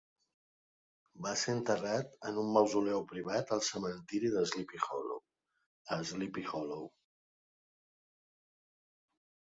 Va ser enterrat en un mausoleu privat al cementiri de Sleepy Hollow, a Sleepy Hollow.